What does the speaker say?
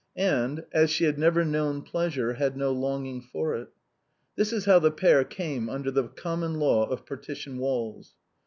and, as she had never known pleasure, had no longing for it. This is how the pair came under the common law of par tition walls.